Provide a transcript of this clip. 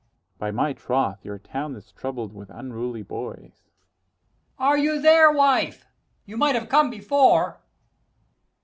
_ [Within] By my troth, your town is troubled with unruly boys. Ant. E. Are you, there, wife? you might have come before.